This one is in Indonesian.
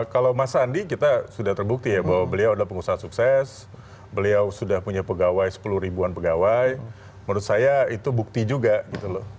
kalau mas sandi kita sudah terbukti ya bahwa beliau adalah pengusaha sukses beliau sudah punya pegawai sepuluh ribuan pegawai menurut saya itu bukti juga gitu loh